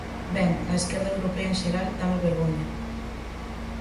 Ben, a esquerda europea en xeral dáme vergoña.